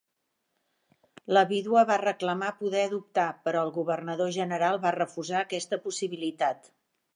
La vídua va reclamar poder adoptar però el governador general va refusar aquesta possibilitat.